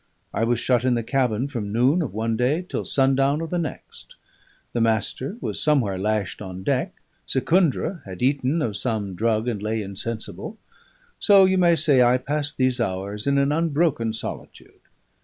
I was shut in the cabin from noon of one day till sundown of the next; the Master was somewhere lashed on deck; Secundra had eaten of some drug and lay insensible; so you may say I passed these hours in an unbroken solitude.